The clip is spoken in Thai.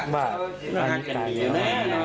ว่าว่าทำพื้นลั่นใส่ห้องนี้